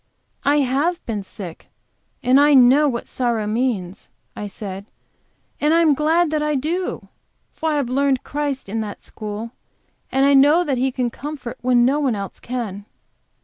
"I have been sick, and I know what sorrow means," I said. "And I am glad that I do. For I have learned Christ in that school, and I know that He can comfort when no one else can."